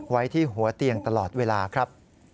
ไว้ที่หัวเตียงตลอดเวลาครับ